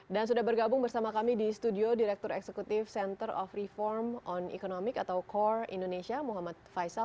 dan sudah bergabung bersama kami di studio direktur eksekutif center of reform on economic atau core indonesia muhammad faisal